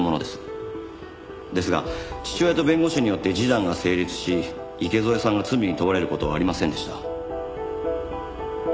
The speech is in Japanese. ですが父親と弁護士によって示談が成立し池添さんが罪に問われる事はありませんでした。